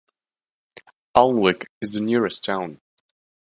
Alnwick is the nearest town.